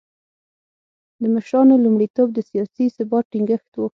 د مشرانو لومړیتوب د سیاسي ثبات ټینګښت و.